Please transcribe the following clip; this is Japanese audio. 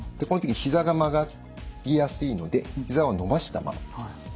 この時にひざが曲がりやすいのでひざは伸ばしたまま。